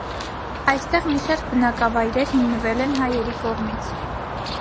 Այստեղ մի շարք բնակավայրեր հիմնվել են հայերի կողմից։